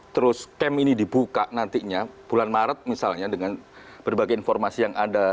terus camp ini dibuka nantinya bulan maret misalnya dengan berbagai informasi yang ada